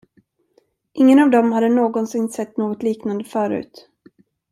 Ingen av dem hade någonsin sett något liknande förut.